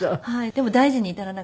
でも大事に至らなくて。